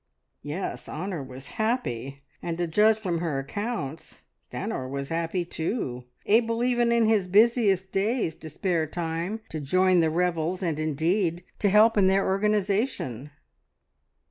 Yes, Honor was happy; and to judge from her accounts Stanor was happy too, able even in his busiest days to spare time to join the revels, and, indeed, to help in their organisation.